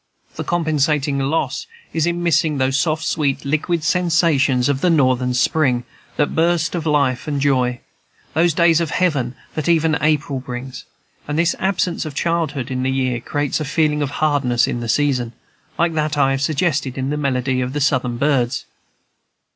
The compensating loss is in missing those soft, sweet, liquid sensations of the Northern spring, that burst of life and joy, those days of heaven that even April brings; and this absence of childhood in the year creates a feeling of hardness in the season, like that I have suggested in the melody of the Southern birds.